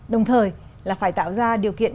đồng thời là phải tạo ra điều kiện